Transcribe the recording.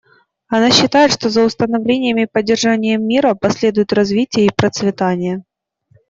Она считает, что за установлением и поддержанием мира последуют развитие и процветание.